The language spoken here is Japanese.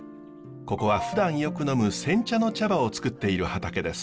ここはふだんよく飲む煎茶の茶葉をつくっている畑です。